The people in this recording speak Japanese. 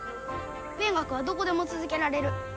勉学はどこでも続けられる。